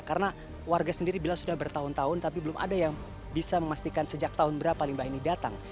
karena warga sendiri bila sudah bertahun tahun tapi belum ada yang bisa memastikan sejak tahun berapa limbah ini datang